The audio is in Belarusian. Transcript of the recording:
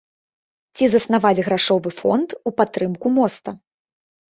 Ці заснаваць грашовы фонд у падтрымку моста.